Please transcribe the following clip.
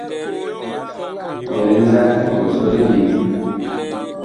Ɔ lɛ nzaa, ɔg sɔle vee ?